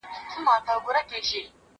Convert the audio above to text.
زه هره ورځ سبا ته پلان جوړوم!!